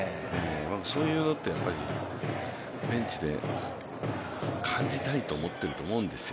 そういうのって、ベンチで感じたいと思っていると思うんですよ。